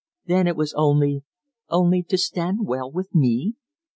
"Then it was only only to stand well with me?"